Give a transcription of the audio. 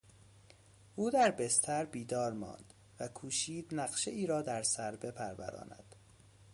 او در بستر بیدار ماند و کوشید نقشهای را در سر بپروراند.